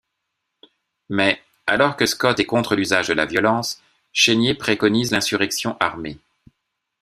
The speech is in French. Mais, alors que Scott est contre l'usage de la violence, Chénier préconise l'insurrection armée.